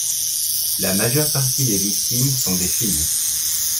La majeure partie des victimes sont des filles.